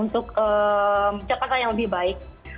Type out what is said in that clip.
untuk jakarta yang lebih baik